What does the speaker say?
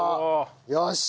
よし。